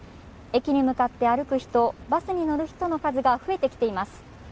駅に向かって歩く人、バスに乗る人の数が増えてきています。